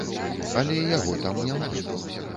Але яго там няма!